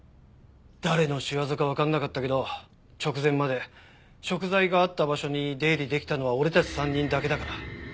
誰の仕業かわかんなかったけど直前まで食材があった場所に出入りできたのは俺たち３人だけだから。